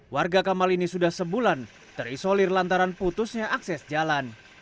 warga kamal ini sudah sebulan terisolir lantaran putusnya akses jalan